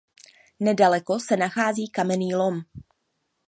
Nedaleko se nachází kamenný lom.